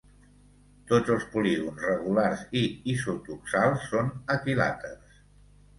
Tots els polígons regulars i isotoxals són equilàters.